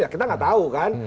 kita nggak tahu kan